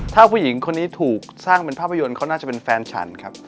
ถ้าผู้หญิงคนนี้ถูกสร้างเป็นภาพยนตร์เขาน่าจะเป็นแฟนฉันครับ